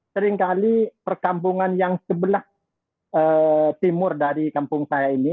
seringkali perkampungan yang sebelah timur dari kampung saya ini